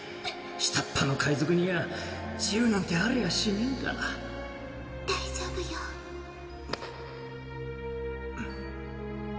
下っ端の海賊には自由なんてありゃしねぇんだ大丈夫よんっんん